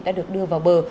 đã được đưa vào bờ